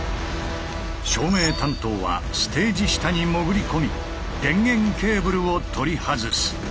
照明担当はステージ下に潜り込み電源ケーブルを取り外す。